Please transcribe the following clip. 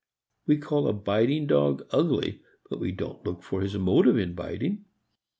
We call a biting dog ugly, but we don't look for his motive in biting.